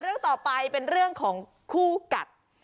เรื่องต่อไปเป็นเรื่องของคู่กัด